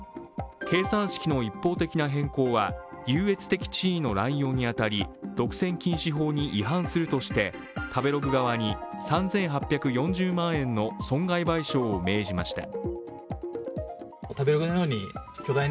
計算式の一方的な変更は、優越的地位の濫用に当たり、独占禁止法に違反するとして食べログ側に３８４０万円の損害賠償を命じました。